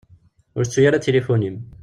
Ur ttettu ara tilifun-m.